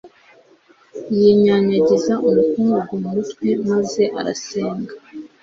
yinyanyagiza umukungugu mu mutwe, maze arasenga